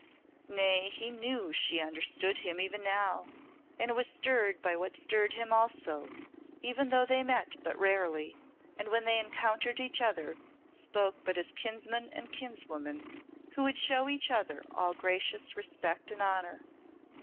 Nay, he knew she understood him even now, and was stirred by what stirred him also, even though they met but rarely, and when they encountered each other, spoke but as kinsman and kinswoman who would show each other all gracious respect and honour.